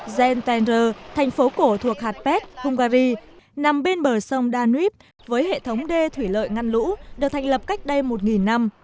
zentender thành phố cổ thuộc hà tét hungary nằm bên bờ sông danube với hệ thống đê thủy lợi ngăn lũ được thành lập cách đây một năm